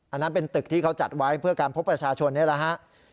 อันนั้นเป็นตึกที่เขาจัดไว้เพื่อการพบประชาชนนี่แหละฮะ